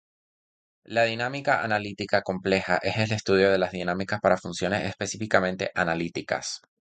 La dinámica analítica compleja es el estudio de las dinámicas para funciones específicamente analíticas.